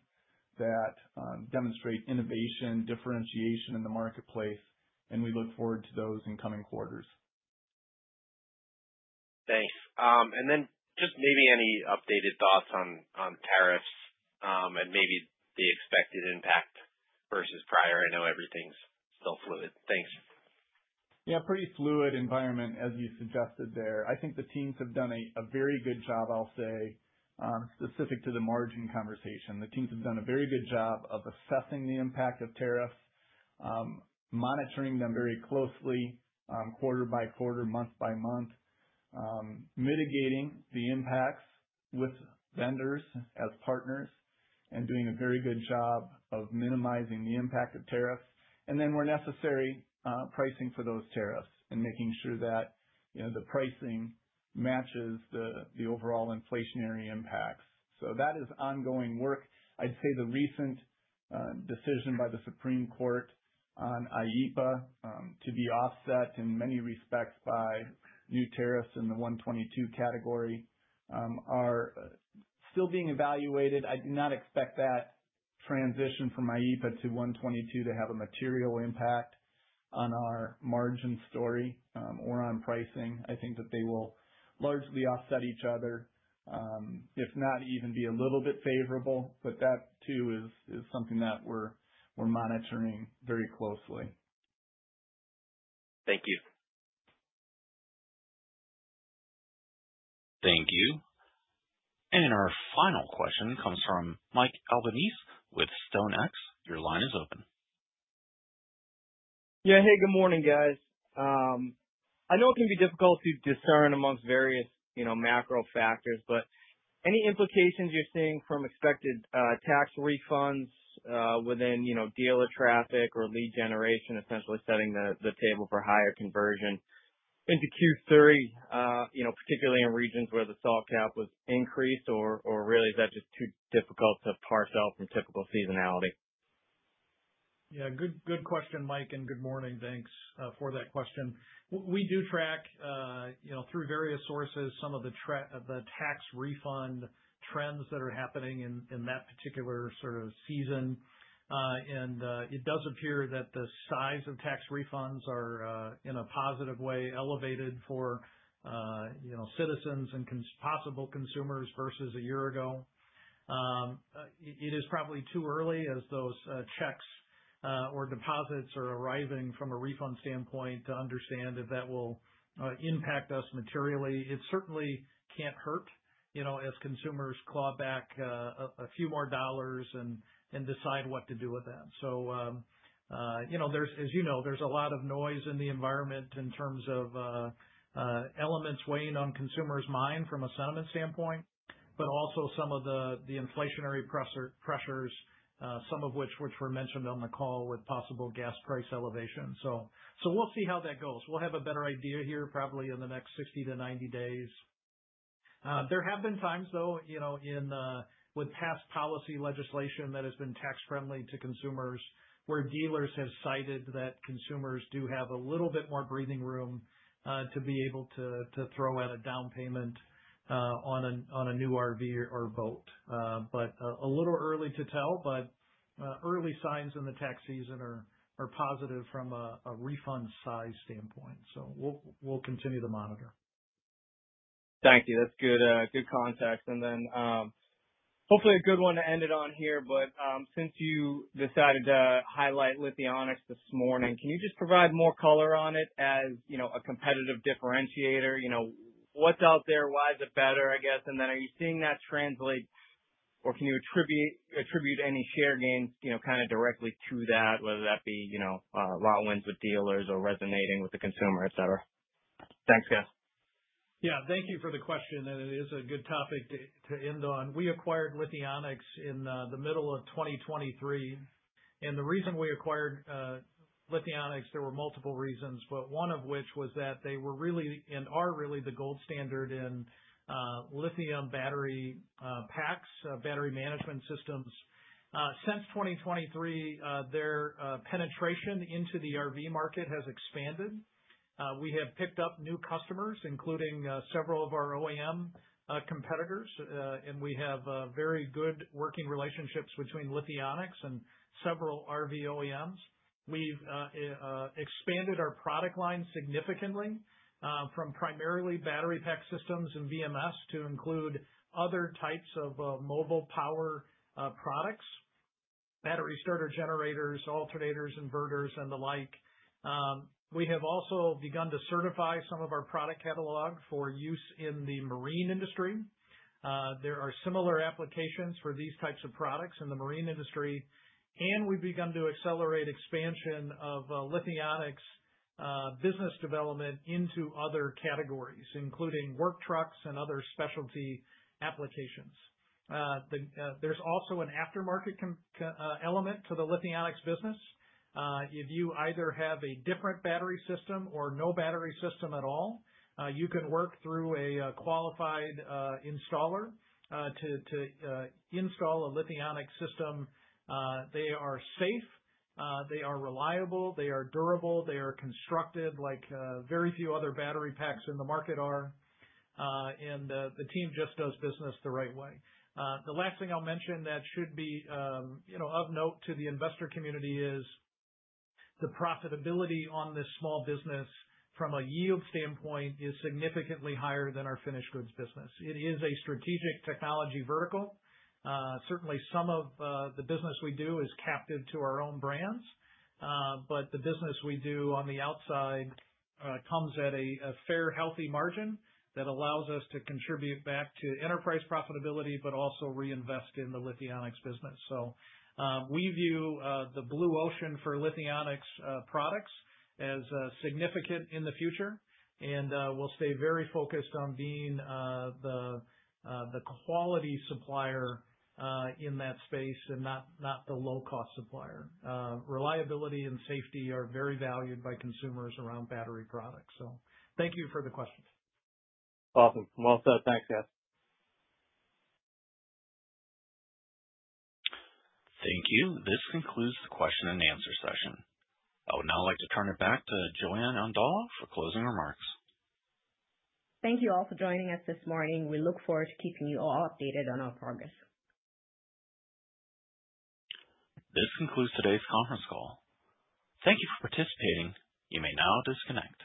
that demonstrate innovation, differentiation in the marketplace, and we look forward to those in coming quarters. Thanks. Just maybe any updated thoughts on tariffs, and maybe the expected impact versus prior. I know everything's still fluid. Thanks. Yeah, pretty fluid environment as you suggested there. I think the teams have done a very good job, I'll say, specific to the margin conversation. The teams have done a very good job of assessing the impact of tariffs, monitoring them very closely, quarter by quarter, month by month, mitigating the impacts with vendors as partners, and doing a very good job of minimizing the impact of tariffs. Then where necessary, pricing for those tariffs and making sure that, you know, the pricing matches the overall inflationary impacts. That is ongoing work. I'd say the recent decision by the Supreme Court on IEEPA to be offset in many respects by new tariffs in the Section 122 category are still being evaluated. I do not expect that transition from IEEPA to Section 122 to have a material impact on our margin story, or on pricing. I think that they will largely offset each other, if not even be a little bit favorable. That too is something that we're monitoring very closely. Thank you. Thank you. Our final question comes from Mike Albanese with StoneX. Your line is open. Yeah. Hey, good morning, guys. I know it can be difficult to discern amongst various, you know, macro factors, but any implications you're seeing from expected tax refunds within, you know, dealer traffic or lead generation, essentially setting the table for higher conversion into Q3, you know, particularly in regions where the soft cap was increased? Or really is that just too difficult to parse out from typical seasonality? Yeah. Good question, Mike, and good morning. Thanks for that question. We do track, you know, through various sources some of the tax refund trends that are happening in that particular sort of season. It does appear that the size of tax refunds are in a positive way elevated for, you know, citizens and possible consumers versus a year ago. It is probably too early as those checks or deposits are arriving from a refund standpoint to understand if that will impact us materially. It certainly can't hurt, you know, as consumers claw back a few more dollars and decide what to do with that. You know, as you know, there's a lot of noise in the environment in terms of elements weighing on consumers' mind from a sentiment standpoint, but also some of the inflationary pressures, some of which were mentioned on the call with possible gas price elevation. We'll see how that goes. We'll have a better idea here probably in the next 60-90 days. There have been times though, you know, with past policy legislation that has been tax friendly to consumers, where dealers have cited that consumers do have a little bit more breathing room to be able to throw at a down payment on a new RV or boat. A little early to tell, but early signs in the tax season are positive from a refund size standpoint. We'll continue to monitor. Thank you. That's good context. Hopefully a good one to end it on here, but since you decided to highlight Lithionics this morning, can you just provide more color on it as, you know, a competitive differentiator? You know, what's out there? Why is it better, I guess? Are you seeing that translate or can you attribute any share gains, you know, kind of directly to that, whether that be, you know, lot wins with dealers or resonating with the consumer, et cetera? Thanks, guys. Yeah. Thank you for the question, and it is a good topic to end on. We acquired Lithionics in the middle of 2023. The reason we acquired Lithionics, there were multiple reasons, but one of which was that they were really and are really the gold standard in lithium battery packs, battery management systems. Since 2023, their penetration into the RV market has expanded. We have picked up new customers, including several of our OEM competitors. We have very good working relationships between Lithionics and several RV OEMs. We've expanded our product line significantly, from primarily battery pack systems and BMS to include other types of mobile power products. Battery starter generators, alternators, inverters, and the like. We have also begun to certify some of our product catalog for use in the marine industry. There are similar applications for these types of products in the marine industry. We've begun to accelerate expansion of Lithionics business development into other categories, including work trucks and other specialty applications. There's also an aftermarket component to the Lithionics business. If you either have a different battery system or no battery system at all, you can work through a qualified installer to install a Lithionics system. They are safe, they are reliable, they are durable, they are constructed like very few other battery packs in the market are. The team just does business the right way. The last thing I'll mention that should be, you know, of note to the investor community is the profitability on this small business from a yield standpoint is significantly higher than our finished goods business. It is a strategic technology vertical. Certainly some of the business we do is captive to our own brands. But the business we do on the outside comes at a fair, healthy margin that allows us to contribute back to enterprise profitability, but also reinvest in the Lithionics business. We view the blue ocean for Lithionics products as significant in the future. We'll stay very focused on being the quality supplier in that space and not the low-cost supplier. Reliability and safety are very valued by consumers around battery products. Thank you for the question. Awesome. Well said. Thanks, guys. Thank you. This concludes the question and answer session. I would now like to turn it back to Joan Ondala for closing remarks. Thank you all for joining us this morning. We look forward to keeping you all updated on our progress. This concludes today's conference call. Thank you for participating. You may now disconnect.